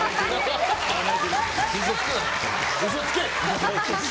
嘘つけ！